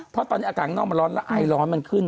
เพราะตอนนี้อาการน่อมาร้อนและไอร้อนมันขึ้น